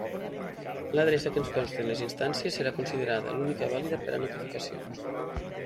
L'adreça que conste en les instàncies serà considerada l'única vàlida per a notificacions.